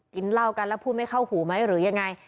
กินเหล้ากันแล้วพูดไม่เข้าหูไหมหรือยังไง